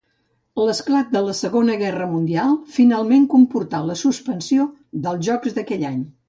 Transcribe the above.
L'esclat de la Segona Guerra Mundial finalment comportà la suspensió dels Jocs d'aquell any.